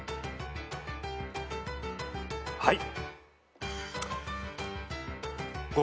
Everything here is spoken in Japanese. はい。